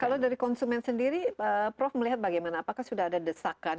kalau dari konsumen sendiri prof melihat bagaimana apakah sudah ada desakan